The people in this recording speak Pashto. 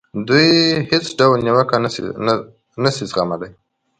دوی هېڅ ډول نیوکه نه زغملای شي.